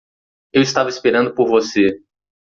Eu estava esperando por você.